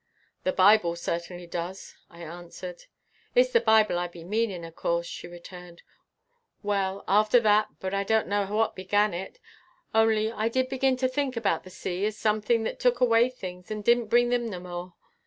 "The Bible certainly does," I answered. "It's the Bible I be meaning, of course," she returned. "Well, after that, but I don't know what began it, only I did begin to think about the sea as something that took away things and didn't bring them no more.